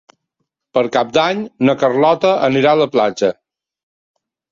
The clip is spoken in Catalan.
Per Cap d'Any na Carlota anirà a la platja.